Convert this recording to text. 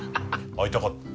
会いたかった。